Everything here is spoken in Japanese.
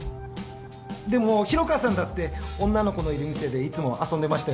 でも広川さんだって女の子のいる店でいつも遊んでましたよね？